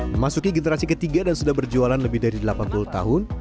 memasuki generasi ketiga dan sudah berjualan lebih dari delapan puluh tahun